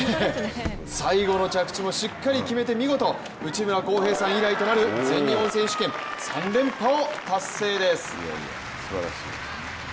最後の着地もしっかり決めて見事、内村航平さん以来となる全日本選手権３連覇を達成です。